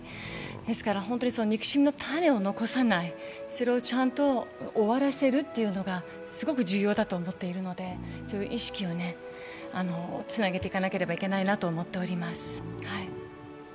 ですから憎しみの種を残さない、それをちゃんと終わらせるというのがすごく重要だと思っているのでそういう意識をつなげていかなければいけないなと思っております。